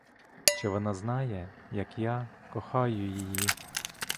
Чи вона знає, як я кохаю її?